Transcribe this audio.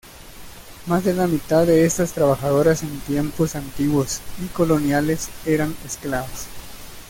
Más de la mitad de estas trabajadoras en tiempos antiguos y coloniales eran esclavas.